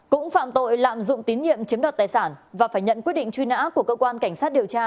cũng phạm tội lạm dụng tín nhiệm chiếm đoạt tài sản và phải nhận quyết định truy nã